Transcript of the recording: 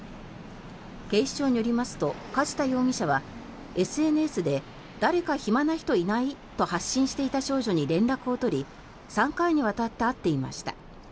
警視庁によりますと梶田容疑者はＳＮＳで誰か暇な人いない？と発信していた少女に連絡を取り３回にわたって会っていました。